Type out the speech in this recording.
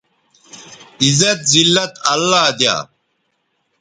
عزت، زلت اللہ دیا